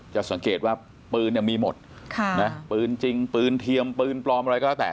จะสังเกตว่าปืนเนี่ยมีหมดปืนจริงปืนเทียมปืนปลอมอะไรก็แล้วแต่